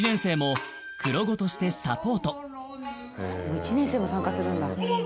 １年生も参加するんだ。